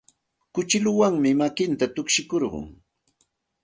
Kuchilluwanmi makinta tukshikurqun.